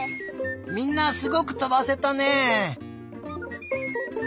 みんなすごくとばせたね！